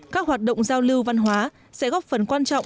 các hoạt động giao lưu văn hóa sẽ góp phần quan trọng